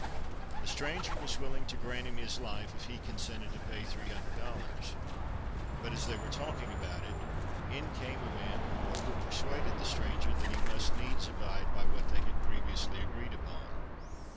The stranger was willing to grant him his life if he consented to pay three hundred dollars; but as they were talking about it, in came a man who overpersuaded the stranger that he must needs abide by what they had previously agreed upon.